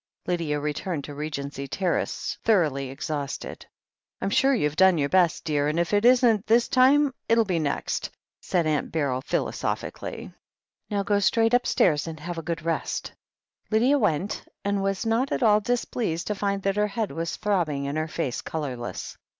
Lydia returned to Regency Terrace thoroughly ex hausted. "I'm sure you've done your best, dear, and if it isn't this time, it'll be next," said Aunt Beryl philosophically. "Now go straight upstairs and have a good rest." Lydia went, and was not at all displeased to find that her head was throbbing and her face colourless.